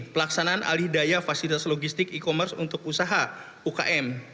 pelaksanaan alih daya fasilitas logistik e commerce untuk usaha ukm